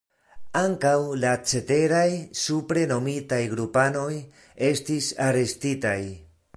Ankaŭ la ceteraj supre nomitaj grupanoj estis arestitaj.